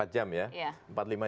empat jam ya